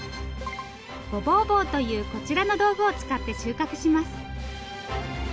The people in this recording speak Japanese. ごぼう棒というこちらの道具を使って収穫します。